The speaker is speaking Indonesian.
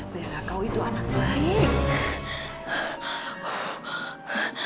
bela kau itu anak baik